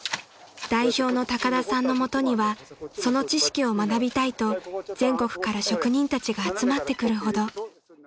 ［代表の高田さんの元にはその知識を学びたいと全国から職人たちが集まってくるほど］